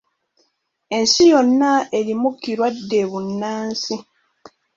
Ensi yonna eri mu kirwadde bbunansi.